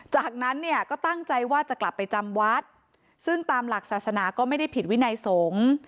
จากนั้นเนี่ยก็ตั้งใจว่าจะกลับไปจำวัดซึ่งตามหลักศาสนาก็ไม่ได้ผิดวินัยสงฆ์